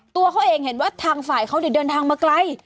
ตัวเขาเองเห็นว่าทางฝ่ายเขาเดินทางมาไกล